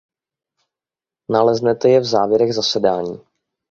Naleznete je v závěrech zasedání.